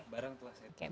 barang telah saya terima